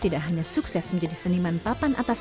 tidak hanya sukses menjadi seniman papan atas